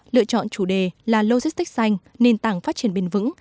lựa chọn chủ đề là logistics xanh nền tảng phát triển bền vững